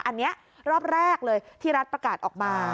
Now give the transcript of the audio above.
อันนี้รอบแรกเลยที่รัฐประกาศออกมา